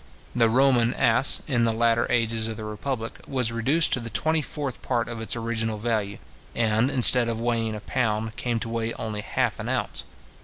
The Roman as, in the latter ages of the republic, was reduced to the twenty fourth part of its original value, and, instead of weighing a pound, came to weigh only half an ounce.